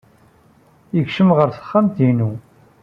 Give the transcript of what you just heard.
Yekcem ɣer texxamt-inu.